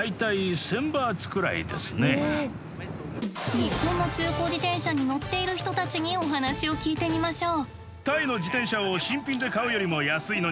日本の中古自転車に乗っている人たちにお話を聞いてみましょう。